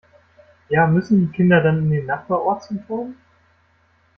Ja, müssen die Kinder dann in den Nachbarort zum Turnen?